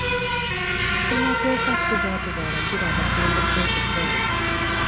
Ssemateeka ssi bwatyo bwalagira abakulembeze okukola.